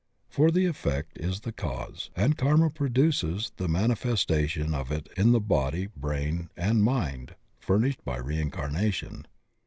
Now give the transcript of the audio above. For the effect is in the cause, and Karma produces the mani festation of it in the body, brain, and mind furnished by reincarnation.